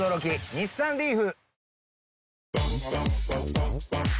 日産リーフ！